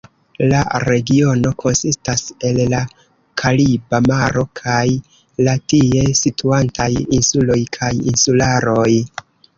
La regiono konsistas el la Kariba Maro kaj la tie situantaj insuloj kaj insularoj.